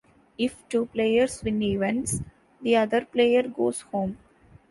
If two players win events, the other player goes home.